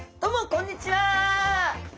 こんにちは。